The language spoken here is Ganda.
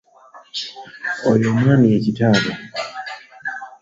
Oyo omwami ye Kitaabwe.